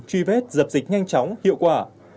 truy vết dập dịch nhanh chóng hiệu quả